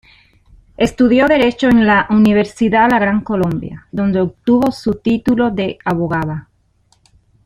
Estudió Derecho en la Universidad La Gran Colombia, donde obtuvo su título de abogada.